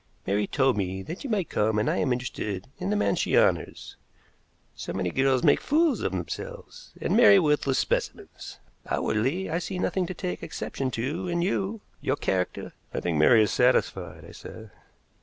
"Mary told me that you might come, and I am interested in the man she honors. So many girls make fools of themselves, and marry worthless specimens. Outwardly, I see nothing to take exception to in you. Your character " "I think Mary is satisfied," I said.